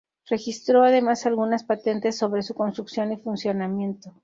Registró además algunas patentes sobre su construcción y funcionamiento.